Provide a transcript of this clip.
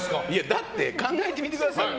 だって、考えてみてください。